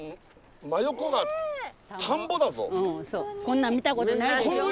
こんなの見たことないでしょ？